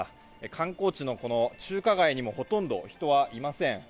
観光地の中華街にもほとんど人はいません。